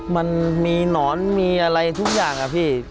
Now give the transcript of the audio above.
มันมีหนอนมีอะไรทุกอย่างอะพี่